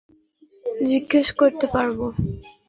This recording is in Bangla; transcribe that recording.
আমার দেড় মিনিট শেষ, এখন তোমার পালা, যা ইচ্ছে জিজ্ঞেস করতে পারো।